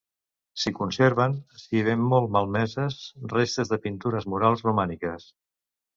S'hi conserven, si bé molt malmeses, restes de pintures murals romàniques.